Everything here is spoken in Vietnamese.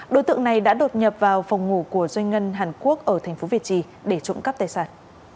đối tượng này đã đột nhập vào phòng ngủ của doanh ngân hàn quốc ở tp việt trì để trộm cắp tài sản